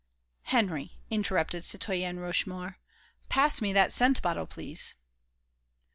"Henry," interrupted the citoyenne Rochemaure, "pass me that scent bottle, please...."